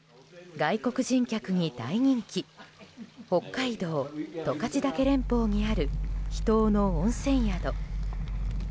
外国人客に大人気北海道十勝岳連峰にある秘湯の温泉宿。